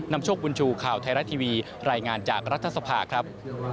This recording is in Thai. โชคบุญชูข่าวไทยรัฐทีวีรายงานจากรัฐสภาครับ